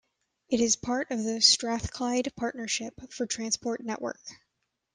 It is part of the Strathclyde Partnership for Transport network.